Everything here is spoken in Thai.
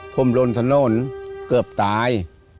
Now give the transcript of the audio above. ผมล้นทะโน่นเกือบตาย